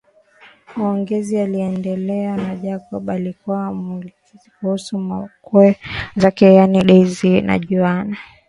Maongezi yaliendelea na Jacob alikua akimuuliza kuhusu wakwe zake yaani daisy na Juliana